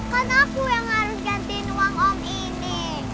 kan aku yang harus gantiin uang om ini